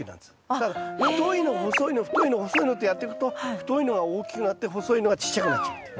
だから太いの細いの太いの細いのってやっていくと太いのが大きくなって細いのがちっちゃくなっちゃうという。